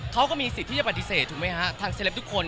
เขาก็มีสิทธิ์ที่จะปฏิเสธถูกไหมฮะทางเซลปทุกคน